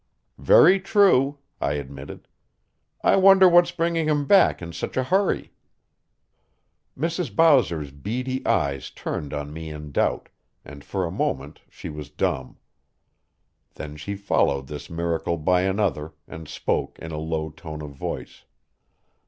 "Very true," I admitted. "I wonder what's bringing him back in such a hurry." Mrs. Bowser's beady eyes turned on me in doubt, and for a moment she was dumb. Then she followed this miracle by another, and spoke in a low tone of voice.